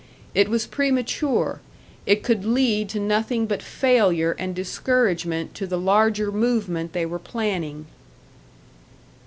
It was premature, it could lead to nothing but failure and discouragement to the larger movement they were planning.